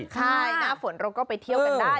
ใช่หน้าฝนเราก็ไปเที่ยวกันได้